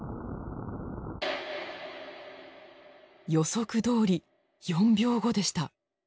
予測どおり４秒後でした。